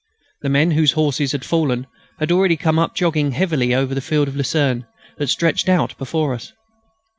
The men whose horses had fallen had already come up jogging heavily over the field of lucerne that stretched out before us.